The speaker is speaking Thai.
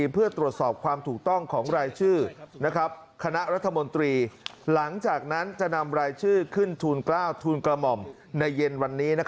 เพื่อตรวจสอบความถูกต้องของรายชื่อคณะรัฐมนตรีหลังจากนั้นจะนำรายชื่อขึ้นทูล๙ทูลกระหม่อมในเย็นวันนี้